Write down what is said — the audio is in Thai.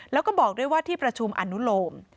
แล้วก็บอกด้วยว่าที่ประชุมอนุโลม